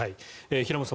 平元さん